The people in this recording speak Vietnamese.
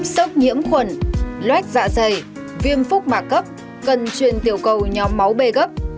sốc nhiễm khuẩn loét dạ dày viêm phúc mạc cấp cần truyền tiểu cầu nhóm máu b gấp